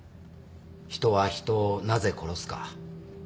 人は人をなぜ殺すか。